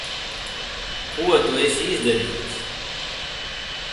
Ko tu esi izdarījis?